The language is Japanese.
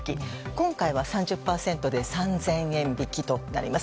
今回は３０％で３０００円引きとなります。